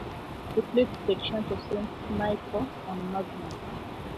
It leads to the Church of Saints Michael and Magnus.